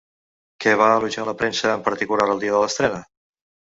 Què va elogiar la premsa en particular el dia de l'estrena?